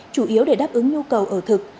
chủ yếu để đáp ứng nhu cầu ở thực